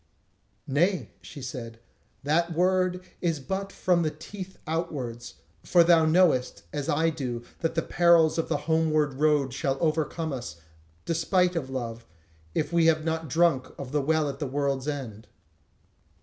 "Nay," she said, "that word is but from the teeth outwards; for thou knowest, as I do, that the perils of the homeward road shall overcome us, despite of love, if we have not drunk of the Well at the World's End."